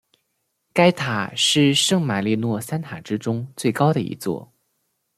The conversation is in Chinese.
该塔是圣马利诺三塔之中最高的一座。